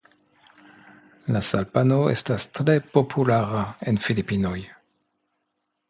La salpano estas tre populara en Filipinoj.